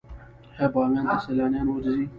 آیا بامیان ته سیلانیان ورځي؟